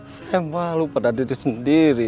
saya malu pada diri sendiri